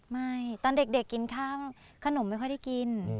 ตอนเด็กกินข้าวขนมไม่ค่อยได้กิน